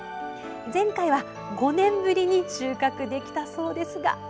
前回は５年ぶりに収穫できたそうですが。